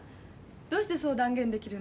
どうしてそう断言できるの？